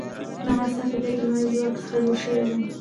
د افغانستان طبیعت له لمریز ځواک څخه جوړ شوی دی.